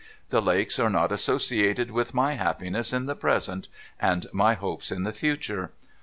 The lakes are not associated with my happiness in the present, and my hopes in the future.